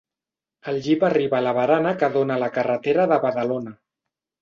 El jeep arriba a la barana que dóna a la carretera de Badalona.